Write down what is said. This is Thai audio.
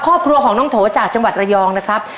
ครอบครัวของน้องโถจากจังหวัดระยองนะครับ